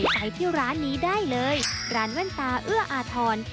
ไปที่ร้านนี้ได้เลยร้านแว่นตาเอื้ออาทร